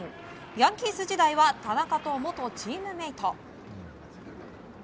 ヤンキース時代は田中と元チームメート。